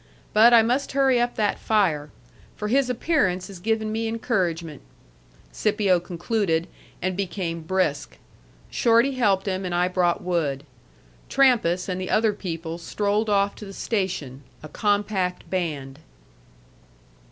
"But I must hurry up that fire. For his appearance has given me encouragement," Scipio concluded, and became brisk. Shorty helped him, and I brought wood. Trampas and the other people strolled off to the station, a compact band.